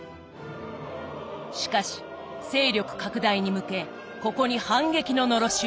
しかし勢力拡大に向けここに反撃ののろしを上げた。